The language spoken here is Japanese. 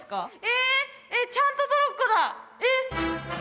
えっちゃんとトロッコだえっ